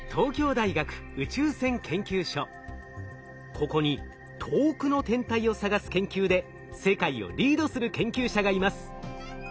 ここに遠くの天体を探す研究で世界をリードする研究者がいます。